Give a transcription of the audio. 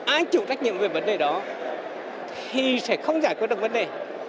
ai chịu trách nhiệm về vấn đề đó thì sẽ không giải quyết được vấn đề